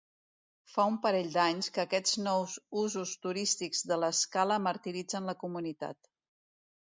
Fa un parell d'anys que aquests nous usos turístics de l'escala martiritzen la comunitat.